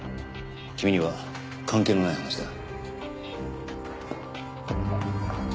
君には関係のない話だ。